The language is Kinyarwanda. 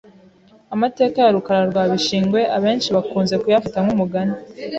Amateka ya Rukara rwa Bishingwe abenshi bakunze kuyafata nk’umugani